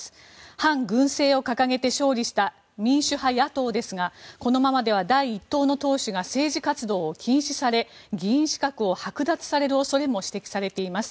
反軍政を掲げて勝利した民主派野党ですがこのままでは第１党の党首が政治活動を禁止され議員資格をはく奪される恐れも指摘されています。